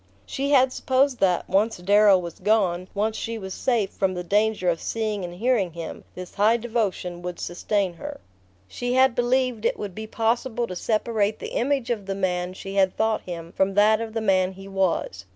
She had supposed that, once Darrow was gone, once she was safe from the danger of seeing and hearing him, this high devotion would sustain her. She had believed it would be possible to separate the image of the man she had thought him from that of the man he was.